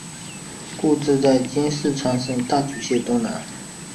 故治在今四川省大竹县东南。